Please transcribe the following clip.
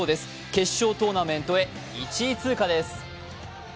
決勝トーナメントへ１位通過です。